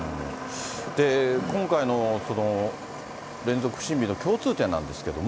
今回のその連続不審火の共通点なんですけれども。